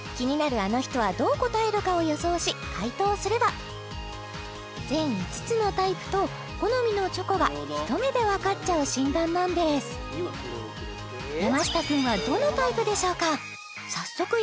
あの人はどう答えるかを予想し回答すれば全５つのタイプと好みのチョコが一目でわかっちゃう診断なんですはい